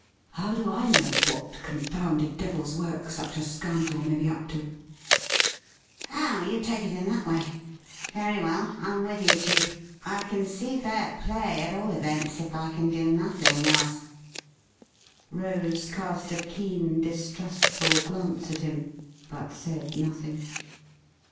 ' How do I know what confounded devil's work such a scoundrel may be up to ?'' Oh, you take it in that way ! Very well, I'm with you, chief. I can see fair play, at all events, if I can do nothing else.' Rose cast a keen, distrustful glance at him, but said nothing.